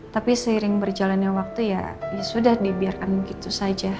tapi seiring berjalannya waktu ya sudah dibiarkan begitu saja